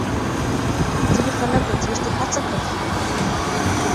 ځينې خلک د تېښتې هڅه کوي.